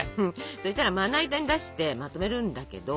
そしたらまな板に出してまとめるんだけど。